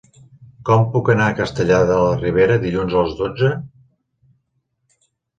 Com puc anar a Castellar de la Ribera dilluns a les dotze?